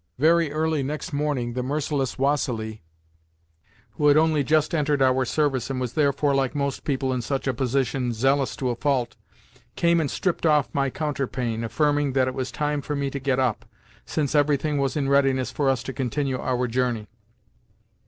Very early next morning the merciless Vassili (who had only just entered our service, and was therefore, like most people in such a position, zealous to a fault) came and stripped off my counterpane, affirming that it was time for me to get up, since everything was in readiness for us to continue our journey.